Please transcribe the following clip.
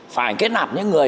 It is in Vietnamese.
phải kết nạp những người